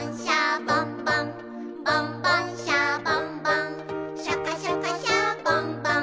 「ボンボン・シャボン・ボンシャカシャカ・シャボン・ボン」